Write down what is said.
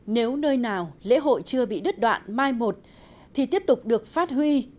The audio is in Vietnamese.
nếu nơi nào lễ hội chưa bị đứt đoạn mai một thì tiếp tục được phát huy